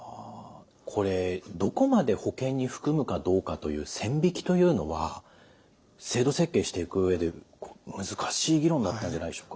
これどこまで保険に含むかどうかという線引きというのは制度設計していく上で難しい議論だったんじゃないでしょうか。